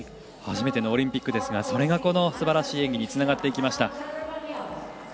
初めてのオリンピックですがそれがすばらしい演技につながっていきました。